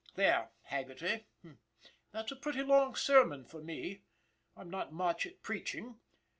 There, Haggerty, that's a pretty long sermon for me. I'm not much at preaching.